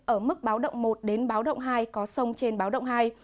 ở mức báo động một đến báo động hai có sông trên báo động hai